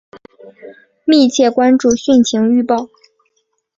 密切关注汛情预报